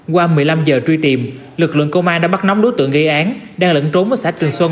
qua một mươi năm giờ truy tìm lực lượng công an đã bắt nóng đối tượng gây án đang lẫn trốn ở xã trường xuân